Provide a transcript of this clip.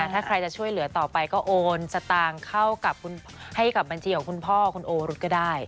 ถ้าใครจะช่วยเหลือต่อไปก็โอนสตางค์เข้ากับให้กับบัญชีของคุณพ่อคุณโอรุธก็ได้